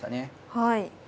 はい。